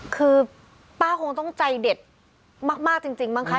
คือป้าคงต้องใจเด็ดมากจริงมั้งคะ